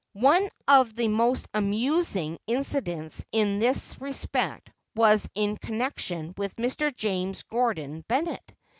One of the most amusing incidents in this respect was in connection with Mr. James Gordon Bennett.